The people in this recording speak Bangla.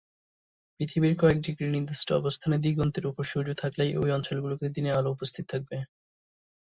পৃথিবীর কয়েক ডিগ্রি নির্দিষ্ট অবস্থানে দিগন্তের উপর সূর্য থাকলেই ঐ অঞ্চলগুলোতে দিনের আলো উপস্থিত থাকবে।